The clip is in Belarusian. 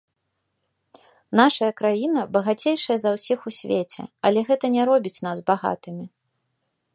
Нашая краіна багацейшая за ўсіх у свеце, але гэта не робіць нас багатымі.